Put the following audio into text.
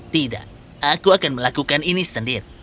tidak aku akan melakukan ini sendiri